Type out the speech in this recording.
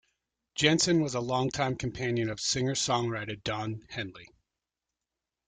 Jensen was a longtime companion of singer-songwriter Don Henley.